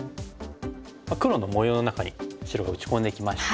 黒の模様の中に白が打ち込んできまして。